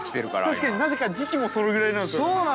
◆確かに、なぜか時期もそれぐらいになるという。